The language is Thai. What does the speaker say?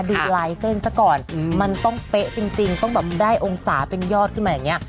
ดูลายเส้นซะก่อนมันต้องเป๊ะจริงต้องแบบได้องศาเป็นยอดขึ้นมาอย่างนี้